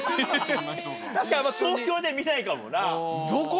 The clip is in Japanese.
確かに東京で見ないかもな。